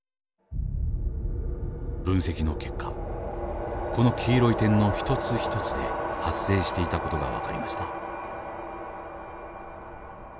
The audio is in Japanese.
分析の結果この黄色い点の一つ一つで発生していた事が分かりました。